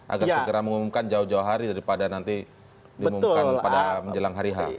agar segera mengumumkan jauh jauh hari daripada nanti diumumkan pada menjelang hari h